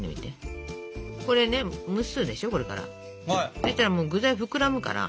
そしたら具材膨らむから。